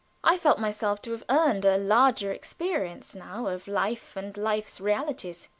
I felt myself to have earned a larger experience now of life and life's realities.